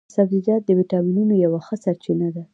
سبزیجات د ویټامینو یوه ښه سرچينه ده